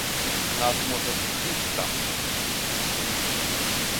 Нас може вб'ють там.